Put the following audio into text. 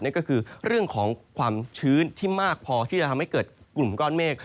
ก็คือเรื่องของความชื้นที่มากพอที่จะทำให้เกิดกลุ่มก้อนเมฆ